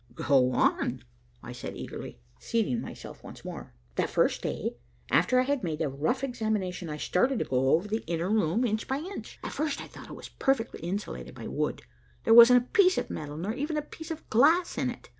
"Go on," I said eagerly, seating myself once more. "That first day, after I had made a rough examination, I started to go over the inner room inch by inch. At first I thought it was perfectly insulated by wood. There wasn't a piece of metal nor even a piece of glass in it.